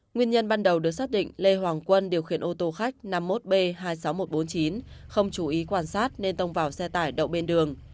nguyên nhân ban đầu được xác định lê hoàng quân điều khiển ô tô khách năm mươi một b hai mươi sáu nghìn một trăm bốn mươi chín không chú ý quan sát nên tông vào xe tải đậu bên đường